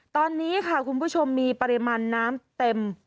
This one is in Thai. ตอนนี้ค่ะคุณผู้ชมมีปริมาณน้ำเต็ม